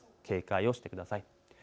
警戒をしてください。